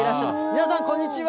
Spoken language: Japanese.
皆さん、こんにちは。